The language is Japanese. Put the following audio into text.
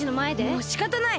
もうしかたない！